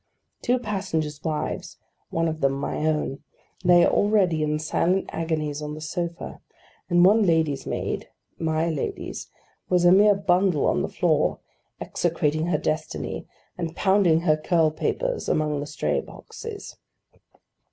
Two passengers' wives (one of them my own) lay already in silent agonies on the sofa; and one lady's maid (my lady's) was a mere bundle on the floor, execrating her destiny, and pounding her curl papers among the stray boxes.